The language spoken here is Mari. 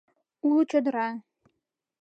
Уло чодыра